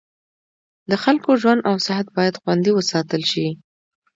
د خلکو ژوند او صحت باید خوندي وساتل شي.